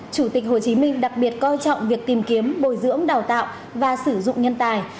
chủ tịch hồ chí minh đặc biệt coi trọng việc tìm kiếm bồi dưỡng đào tạo và sử dụng nhân tài